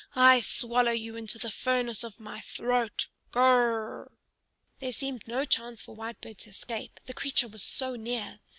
I swallow you into the furnace of my throat. Gr r r r!" There seemed no chance for Whitebird to escape, the creature was so near.